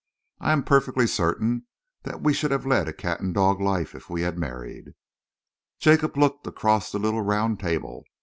I am perfectly certain that we should have led a cat and dog life if we had married." Jacob looked across the little round table.